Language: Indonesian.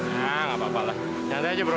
nah gak apa apa lah santai aja bro